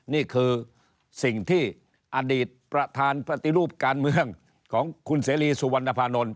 นี่คือสิ่งที่อดีตประธานปฏิรูปการเมืองของคุณเสรีสุวรรณภานนท์